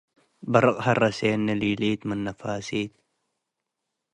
በርቅ ሀረሴኒ - ሊሊት ምን ነፋሲት